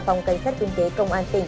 phòng cảnh sát kinh tế công an tỉnh